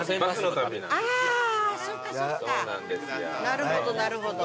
なるほどなるほど。